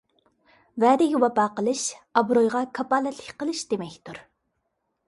ۋەدىگە ۋاپا قىلىش — ئابرۇيغا كاپالەتلىك قىلىش دېمەكتۇر.